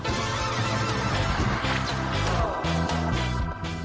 เจ็บหลาย